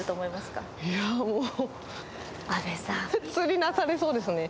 もう阿部さん釣りなさりそうですね